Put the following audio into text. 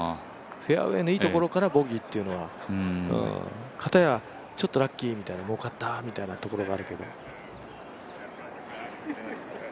フェアウエーのいいところからボギーっていうのは片や、ちょっとラッキーみたいな、もうかったみたいなところがあるけど。